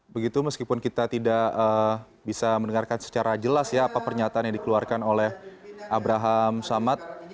begitu meskipun kita tidak bisa mendengarkan secara jelas ya apa pernyataan yang dikeluarkan oleh abraham samad